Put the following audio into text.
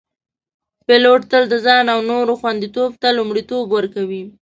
پیلوټ تل د ځان او نورو خوندیتوب ته لومړیتوب ورکوي.